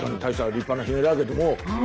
立派なひげだけども。